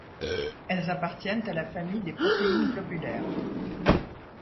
Elles appartiennent à la famille des protéines globulaires.